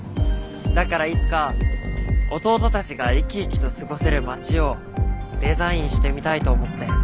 だからいつか弟たちが生き生きと過ごせる街をデザインしてみたいと思って。